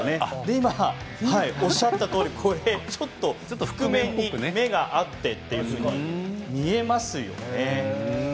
今おっしゃったとおりちょっと覆面に目があってと見えますよね。